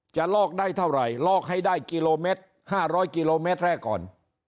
จะลอกได้เท่าไรลอกให้ได้กิโลเมตรห้าร้อยกิโลเมตรแรกก่อน